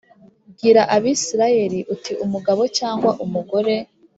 Bwira abisirayeli uti umugabo cyangwa umugore